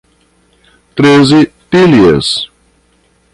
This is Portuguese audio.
Treze Tílias